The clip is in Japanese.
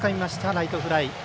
ライトフライ。